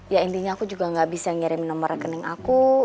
ya intinya aku juga gak bisa ngirim nomor rekening aku